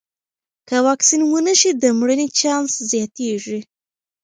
که واکسین ونه شي، د مړینې چانس زیاتېږي.